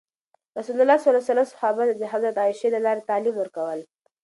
رسول الله ﷺ صحابه ته د حضرت عایشې له لارې تعلیم ورکول.